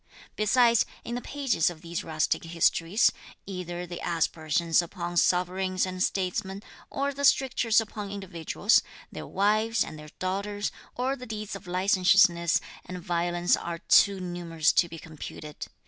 Besides, in the pages of these rustic histories, either the aspersions upon sovereigns and statesmen, or the strictures upon individuals, their wives, and their daughters, or the deeds of licentiousness and violence are too numerous to be computed.